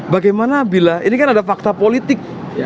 bagaimana bila ini kan ada fakta politik